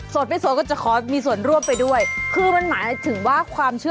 ไม่โสดก็จะขอมีส่วนร่วมไปด้วยคือมันหมายถึงว่าความเชื่อ